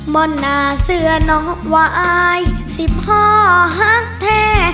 บ่นหนาเสือหนอว่าอายสิบพ่อหักแท้